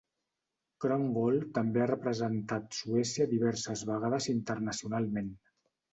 Kronwall també ha representat Suècia diverses vegades internacionalment.